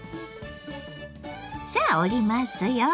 さあ折りますよ。